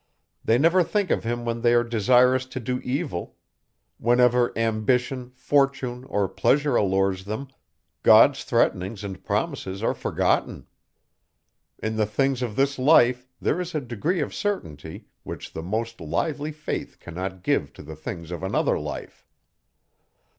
They never think of him when they are desirous to do evil: whenever ambition, fortune, or pleasure allures them, God's threatenings and promises are forgotten. In the things of this life, there is a degree of certainty, which the most lively faith cannot give to the things of another life.